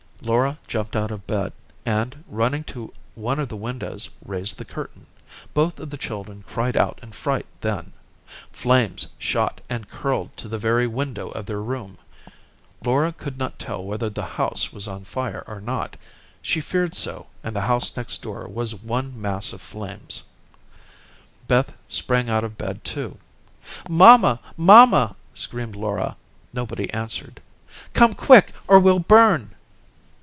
Laura jumped out of bed, and, running to one of the windows, raised the curtain. Both of the children cried out in fright then. Flames shot and curled to the very window of their room. Laura could not tell whether their house was on fire or not. She feared so, and the house next door was one mass of flames. Beth sprang out of bed, too. "Mamma, mamma," screamed Laura. Nobody answered. "Come quick or we'll burn."